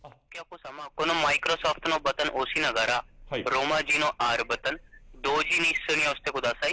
このマイクロソフトのボタンを押しながら、ローマ字のＲボタン、同時に一緒に押してください。